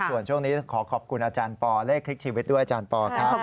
ส่วนช่วงนี้ขอขอบคุณอาจารย์ปอเลขคลิกชีวิตด้วยอาจารย์ปอครับ